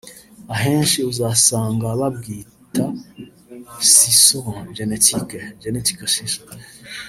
ahenshi uzasanga babwita cisseaux genetique/ Genetic Scissors